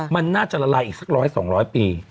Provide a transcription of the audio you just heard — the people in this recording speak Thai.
มันน่าจะละลายอีกสักร้อยสัก๒๐๐ปี